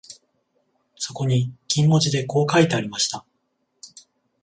そこに金文字でこう書いてありました